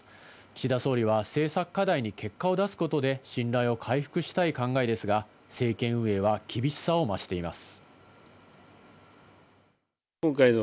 岸田総理は政策課題に結果を出すことで信頼を回復したい考えですが、政権運営は厳しさを増しています。